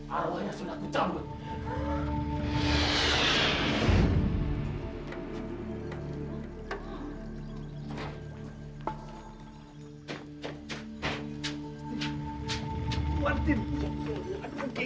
aku disuruh putar korban atau diri sendiri dihancurin